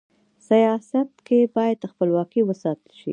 سیاست کي بايد خپلواکي و ساتل سي.